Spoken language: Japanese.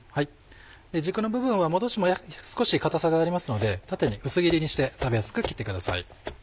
軸の部分は戻しても少し硬さがありますので縦に薄切りにして食べやすく切ってください。